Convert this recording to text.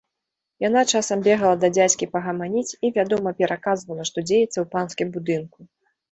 Яна часам бегала да дзядзькі пагаманіць і, вядома, пераказвала, што дзеецца ў панскім будынку.